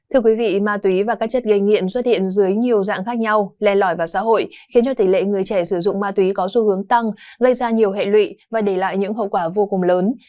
thưa quý vị ma túy và các chất gây nghiện xuất hiện dưới nhiều dạng khác nhau len lỏi vào xã hội khiến cho tỷ lệ người trẻ sử dụng ma túy có xu hướng tăng gây ra nhiều hệ lụy và để lại những hậu quả vô cùng lớn